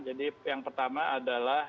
jadi yang pertama adalah